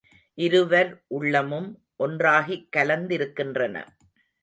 இருவர் உள்ளமும் ஒன்றாகிக் கலந்திருக்கின்றன.